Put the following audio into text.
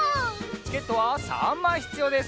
チケットは３まいひつようです。